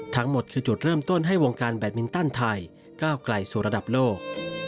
ทั้งหมดคือจุดเริ่มต้นให้วงการแบตมินตันไทยก้าวไกลสู่ระดับโลก